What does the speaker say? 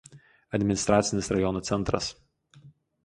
Administracinis rajono centras.